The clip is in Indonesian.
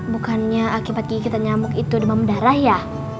bukannya akibat gigitan nyamuk itu demam darah ya